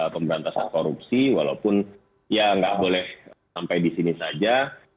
pemberantasan korupsi walaupun ya nggak boleh sampai di sini saja